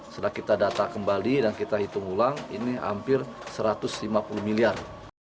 setelah kita data kembali dan kita hitung ulang ini hampir satu ratus lima puluh miliar